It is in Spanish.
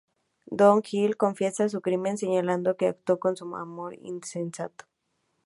Don Gil confiesa su crimen, señalando que actuó por su amor insensato.